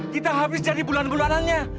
kita habis dari bulan bulanannya